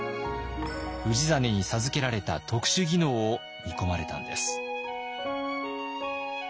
氏真に授けられた特殊技能を見込まれたんです。